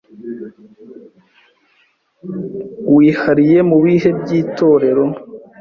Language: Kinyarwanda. wihariye mu bihe by'itorero.